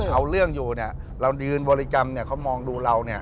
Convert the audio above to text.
เอาเรื่องอยู่เรายืนบริกรรมเขามองดูเรา